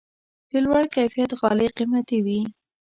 د لوړ کیفیت غالۍ قیمتي وي.